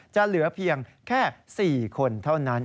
จะเหลือเพียงแค่๔คนเท่านั้น